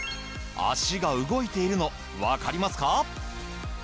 足が動いているのわかりますか？